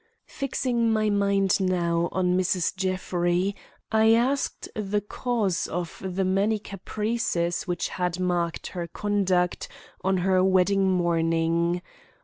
Fixing my mind now on Mrs. Jeffrey, I asked the cause of the many caprices which had marked her conduct on her wedding morning.